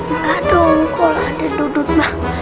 enggak dong kalau ada dudut mah